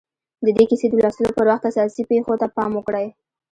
د دې کيسې د لوستلو پر وخت اساسي پېښو ته پام وکړئ.